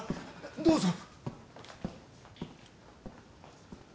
どうぞ。